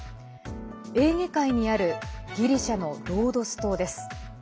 エーゲ海にあるギリシャのロードス島です。